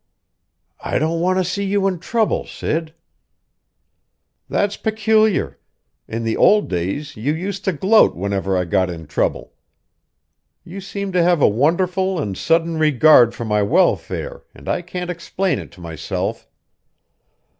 "I don't want to see you in trouble, Sid." "That's peculiar. In the old days you used to gloat whenever I got in trouble. You seem to have a wonderful and sudden regard for my welfare, and I can't explain it to myself."